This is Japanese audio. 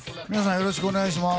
よろしくお願いします。